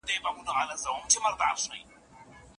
ډیپسیک د مصنوعي ځیرکتیا په مرسته ځوابونه ورکوي.